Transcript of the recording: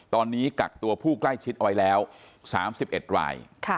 ตอนนี้กักตัวผู้ใกล้ชิดเอาไว้แล้ว๓๑ราย